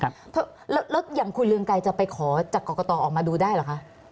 แล้วอย่างคุณเรืองไกรจะไปขอจากกรกตออกมาดูได้เหรอคะ